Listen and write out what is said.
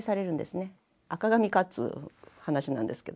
赤紙かっつぅ話なんですけど。